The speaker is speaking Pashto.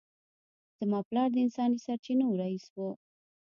زما پلار د انساني سرچینو رییس و